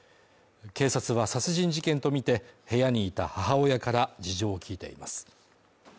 警察は殺人事件とみて部屋にいた母親から事情を聞いています